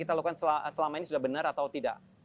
kita lakukan selama ini sudah benar atau tidak